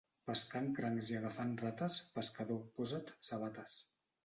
Pescant crancs i agafant rates, pescador, posa't sabates.